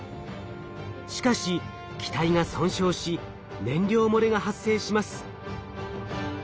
しかし機体が損傷し燃料漏れが発生します。